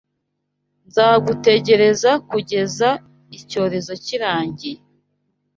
Nzagutegereza kugeza icyorezo kirangiye.